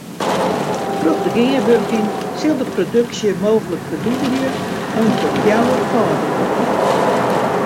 Troch de gearwurking sil de produksje mooglik ferdûbelje oant ferfjouwerfâldigje.